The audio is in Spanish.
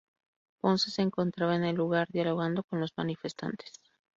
Ponce se encontraba en el lugar dialogando con los manifestantes.